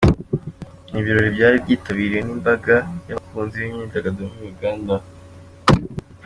Ni ibirori byari byitabiriwe n’imbaga y’abakunzi b’imyidagaduro muri Uganda.